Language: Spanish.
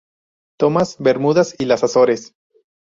Thomas, Bermudas, y las Azores.